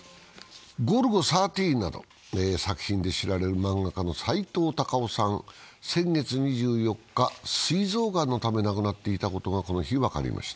「ゴルゴ１３」などの作品で知られる漫画家のさいとう・たかをさん先月２４日、すい臓がんのため亡くなっていたことがこの日分かりました。